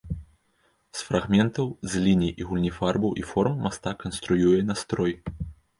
З фрагментаў, з ліній і гульні фарбаў і форм мастак канструюе настрой.